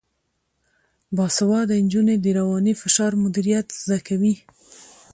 باسواده نجونې د رواني فشار مدیریت زده کوي.